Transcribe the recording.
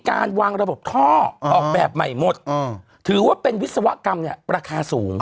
การวางระบบท่อออกแบบใหม่หมดถือว่าเป็นวิศวกรรมเนี่ยราคาสูง